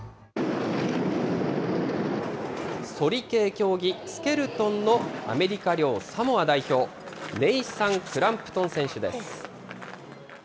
そり系競技、スケルトンのアメリカ領サモア代表、ネイサン・クランプトン選手です。